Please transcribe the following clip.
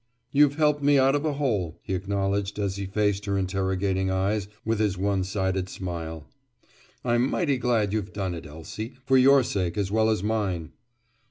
"You've helped me out of a hole," he acknowledged as he faced her interrogating eyes with his one sided smile. "I'm mighty glad you've done it, Elsie—for your sake as well as mine."